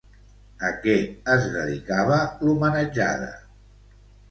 A què es dedicava l'homenatjada?